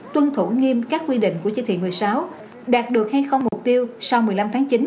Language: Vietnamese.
tuân thủ nghiêm các quy định của chỉ thị một mươi sáu đạt được hay không mục tiêu sau một mươi năm tháng chín